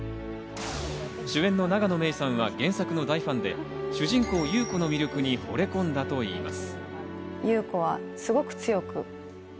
主演の永野芽郁さんは原作の大ファンで、主人公・優子の魅力に惚れ込んだといいます。